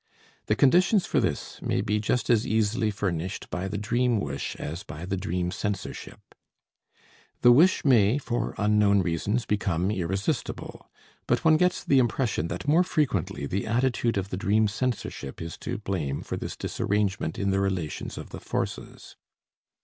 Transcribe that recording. The conditions for this may be just as easily furnished by the dream wish as by the dream censorship. The wish may, for unknown reasons, become irresistible; but one gets the impression that more frequently the attitude of the dream censorship is to blame for this disarrangement in the relations of the forces.